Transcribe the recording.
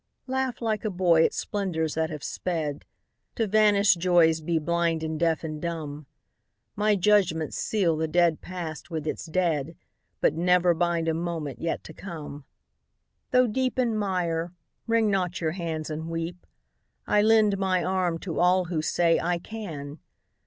Laugh like a boy at splendors that have sped, To vanished joys be blind and deaf and dumb; My judgments seal the dead past with its dead, But never bind a moment yet to come. Though deep in mire, wring not your hands and weep; I lend my arm to all who say "I can!"